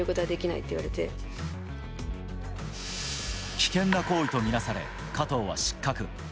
危険な行為とみなされ、加藤は失格。